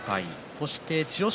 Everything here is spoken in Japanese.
そして千代翔